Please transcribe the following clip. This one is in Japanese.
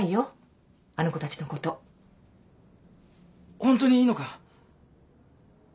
ホントにいいのか？